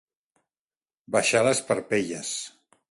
Baixar les parpelles.